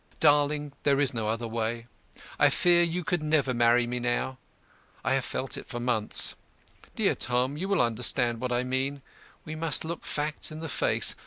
Darling, there is no other way. I feel you could never marry me now. I have felt it for months. Dear Tom, you will understand what I mean. We must look facts in the face.